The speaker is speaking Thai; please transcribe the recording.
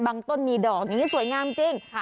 บางต้นมีดอกนี้สวยงามจริง